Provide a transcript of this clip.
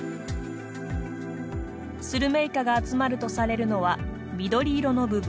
スルメイカが集まるとされるのは緑色の部分。